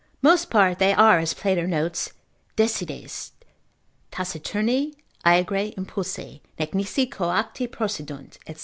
_] Most part they are, as Plater notes, desides, taciturni, aegre impulsi, nec nisi coacti procedunt, &c.